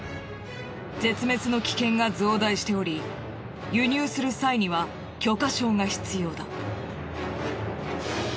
絶滅の危険が増大しており輸入する際には許可証が必要だ。